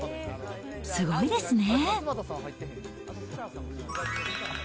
すごいですね。